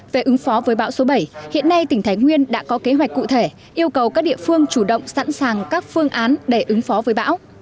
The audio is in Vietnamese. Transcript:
về ứng phó với bão số bảy hiện nay tỉnh thái nguyên đã có kế hoạch cụ thể yêu cầu các địa phương chủ động sẵn sàng các phương án để ứng phó với bão